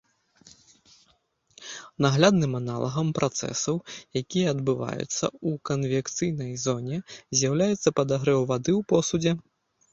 Наглядным аналагам працэсаў, якія адбываюцца ў канвекцыйнай зоне, з'яўляецца падагрэў вады ў посудзе.